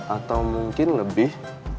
atau mungkin lebih